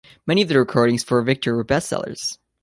Many of their records for Victor were bestsellers.